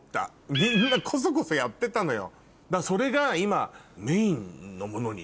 みんなコソコソやってたのよ。